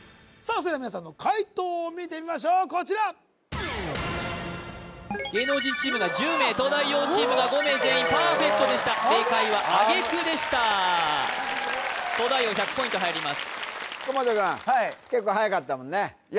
それでは皆さんの解答を見てみましょうこちら芸能人チームが１０名東大王チームが５名全員パーフェクトでした正解は挙句でした東大王１００ポイント入ります